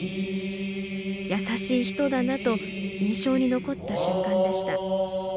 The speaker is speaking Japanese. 優しい人だなと印象に残った瞬間でした。